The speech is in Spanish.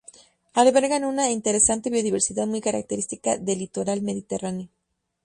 Albergan una interesante biodiversidad muy característica del litoral mediterráneo.